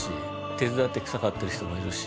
手伝って草刈ってる人もいるし。